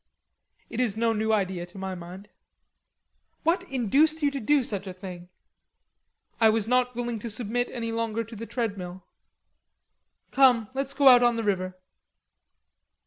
"It is no new idea to my mind." "What induced you to do such a thing?" "I was not willing to submit any longer to the treadmill." "Come let's go out on the river."